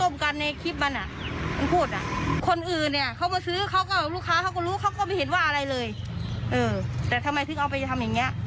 ไม่อาจจะเอาไปทำแบบนี้ฮะ